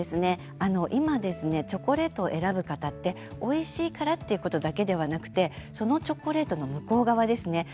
今チョコレートを選ぶ方っておいしいからということだけではなくてそのチョコレートの向こう側ですね。